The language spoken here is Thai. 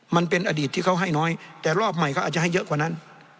มันเป็นอดีตที่เขาให้น้อยแต่รอบใหม่เขาอาจจะให้เยอะกว่านั้น